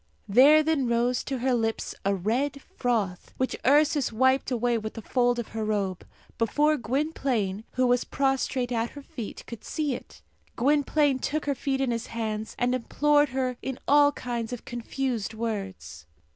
There then rose to her lips a red froth, which Ursus wiped away with the fold of her robe, before Gwynplaine, who was prostrate at her feet, could see it. Gwynplaine took her feet in his hands, and implored her in all kinds of confused words.